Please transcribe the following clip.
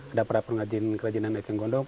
ada para pengajin kerajinan naik cenggondok